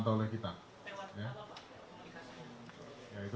duplikasi nanti silahkan